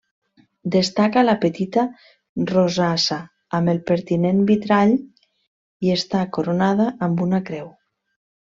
Destaca la petita rosassa amb el pertinent vitrall i està coronada amb una creu.